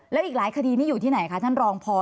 แล้วอีกหลายคดีนี้อยู่ที่ไหนคะท่านรองพอ